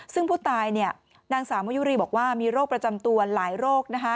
ซึ่งผู้ตายนางสาวมะยุรีบอกว่ามีโรคประจำตัวหลายโรค